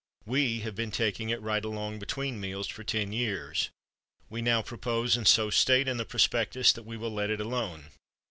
We have been taking it right along, between meals for ten years. We now propose, and so state in the prospectus, that we will let it alone.